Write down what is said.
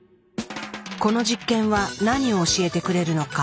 この実験は何を教えてくれるのか？